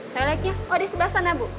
toiletnya oh ada sebelas an ya bu